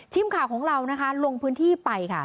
ทีมข่าวของเรานะคะลงพื้นที่ไปค่ะ